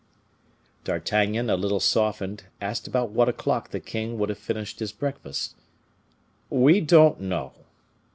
D'Artagnan, a little softened, asked about what o'clock the king would have finished his breakfast. "We don't know."